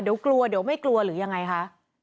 เดี๋ยวกลัวเดี๋ยวไม่กลัวหรือยังไงคะ